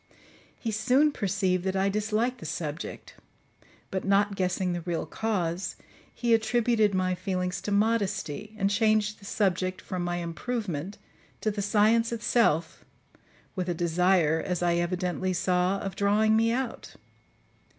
He soon perceived that I disliked the subject; but not guessing the real cause, he attributed my feelings to modesty, and changed the subject from my improvement, to the science itself, with a desire, as I evidently saw, of drawing me out.